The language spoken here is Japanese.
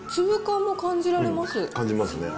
感じますね。